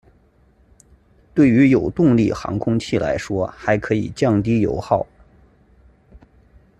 对于有动力航空器来说还可降低油耗。